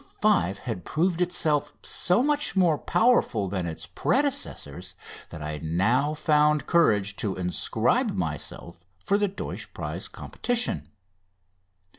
5" had proved itself so much more powerful than its predecessors that I now found courage to inscribe myself for the Deutsch prize competition.